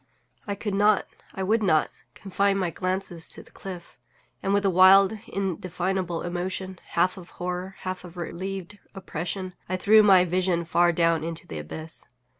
I could not, I would not, confine my glances to the cliff; and, with a wild, indefinable emotion, half of horror, half of a relieved oppression, I threw my vision far down into the abyss.